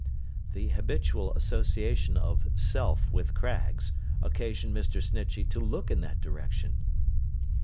The habitual association of Self with Craggs, occasioned Mr. Snitchey to look in that direction.